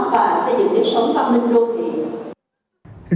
và xây dựng thí sinh sống phát minh đô thi